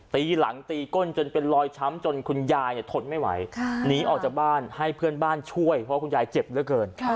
ตีหลังตีก้นจนเป็นรอยช้ำจนคุณยายทนไม่ไหวหนีออกจากบ้านให้เพื่อนบ้านช่วยเพราะคุณยายเจ็บเหลือเกิน